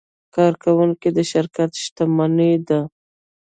کارکوونکي د شرکت شتمني ده.